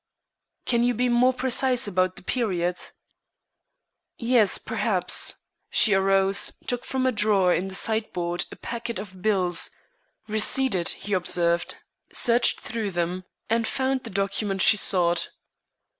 "Can you be more precise about the period?" "Yes, perhaps." She arose, took from a drawer in the sideboard a packet of bills receipted, he observed searched through them and found the document she sought.